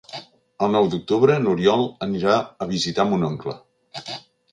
El nou d'octubre n'Oriol anirà a visitar mon oncle.